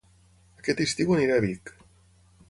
Aquest estiu aniré a Vic